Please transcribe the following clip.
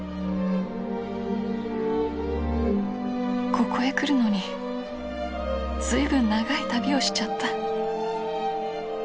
ここへ来るのにずい分長い旅をしちゃった。